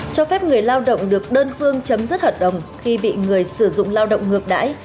cho phép người lao động được đơn phương chấm dứt hợp đồng khi bị người sử dụng lao động ngược đãi